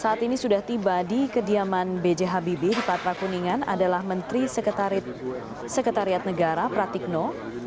saat ini sudah tiba di kediaman b j habibie di patra kuningan adalah menteri sekretariat negara pratikno